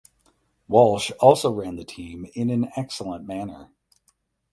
Walsh also ran the team in an excellent manner.